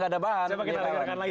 gak ada bahan coba kita lakukan lagi